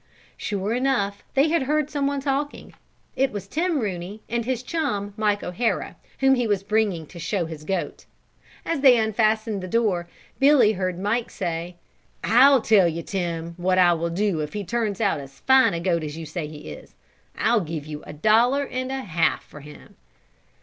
Sure enough they had heard some one talking. It was Tim Rooney and his chum, Mike O'Hara, whom he was bringing to show his goat. As they unfastened the door, Billy heard Mike say: "I tell you, Tim, what I will do if he turns out as fine a goat as you say he is. I'll give you a dollar and a half for him."